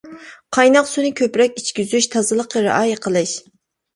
قايناق سۇنى كۆپرەك ئىچكۈزۈش، تازىلىققا رىئايە قىلىش.